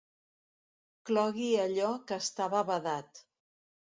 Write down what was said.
Clogui allò que estava badat.